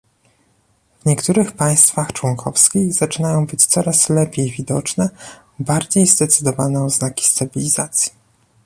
W niektórych państwach członkowskich zaczynają być coraz lepiej widoczne bardziej zdecydowane oznaki stabilizacji